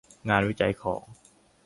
งานวิจัยของ